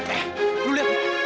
eh lu lihat